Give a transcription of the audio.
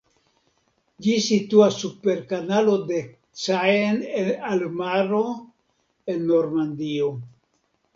Ĝi situas super Kanalo de Caen al Maro, en Normandio.